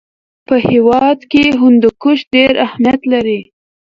په هېواد کې هندوکش ډېر اهمیت لري.